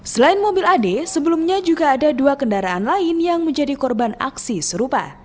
selain mobil ade sebelumnya juga ada dua kendaraan lain yang menjadi korban aksi serupa